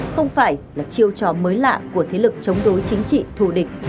không phải là chiêu trò mới lạ của thế lực chống đối chính trị thù địch